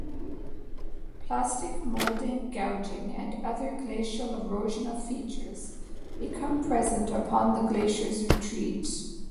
Plastic moulding, gouging and other glacial erosional features become present upon the glacier's retreat.